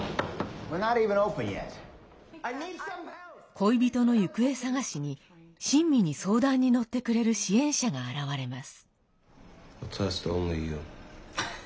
恋人の行方捜しに親身に相談に乗ってくれる支援者が現れます。